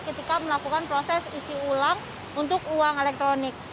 ketika melakukan proses isi ulang untuk uang elektronik